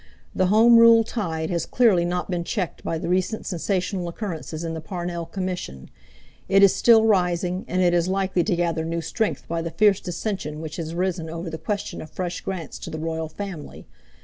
The home rule tide has clearly not been checked by the recent sensational occurrences in the Parnell Commission. It is still rising, and it is likely to gather new strength by the fierce dissension which has arisen over the question of fresh grants to the royal family.